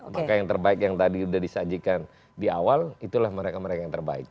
maka yang terbaik yang tadi sudah disajikan di awal itulah mereka mereka yang terbaik